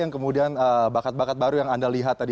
yang kemudian bakat bakat baru yang anda lihat tadi